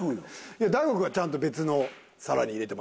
大悟君はちゃんと別の皿に入れてますもんね。